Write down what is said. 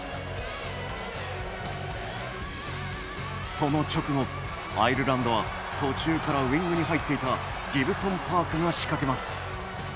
その直後、アイルランドは途中からウイングに入っていたギブソンパークが仕掛けます。